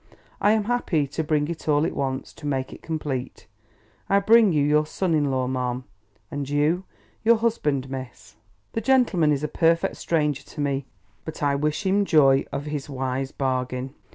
I am happy to bring it all it wants, to make it complete. I bring you your son in law, ma'am—and you, your husband, miss. The gentleman is a perfect stranger to me, but I wish him joy of his wise bargain."